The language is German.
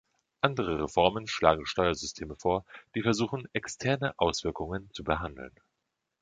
Andere Reformen schlagen Steuersysteme vor, die versuchen, externe Auswirkungen zu behandeln.